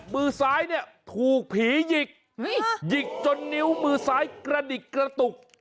มือซ้ายเนี่ยถูกผีหยิกหยิกจนนิ้วมือซ้ายกระดิกกระตุก